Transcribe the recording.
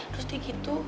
terus dia gitu